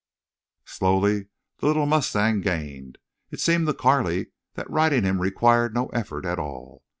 Slowly the little mustang gained. It seemed to Carley that riding him required no effort at all.